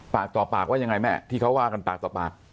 ปากต่อปากว่ายังไงแม่ที่เขาว่ากันปากต่อปาก